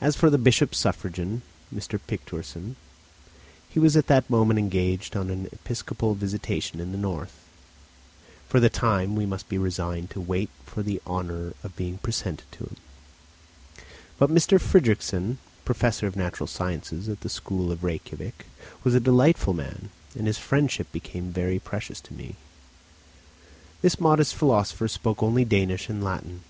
As for the bishop's suffragan, M. Picturssen, he was at that moment engaged on an episcopal visitation in the north. For the time we must be resigned to wait for the honour of being presented to him. But M. Fridrikssen, professor of natural sciences at the school of Rejkiavik, was a delightful man, and his friendship became very precious to me. This modest philosopher spoke only Danish and Latin.